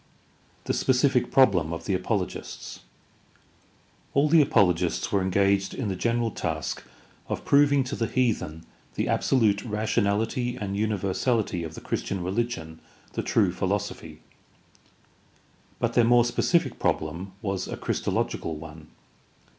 The specific problem of the apologists. — All the apologists were engaged in the general task of proving to the heathen the absolute rationality and universahty of the Christian religion, the true philosophy. But their more specific prob lem was a christological one.